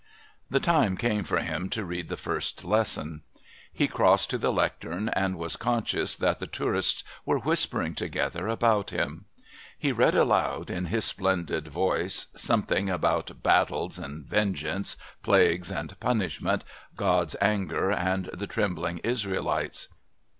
The time came for him to read the First Lesson. He crossed to the Lectern and was conscious that the tourists were whispering together about him. He read aloud, in his splendid voice, something about battles and vengeance, plagues and punishment, God's anger and the trembling Israelites.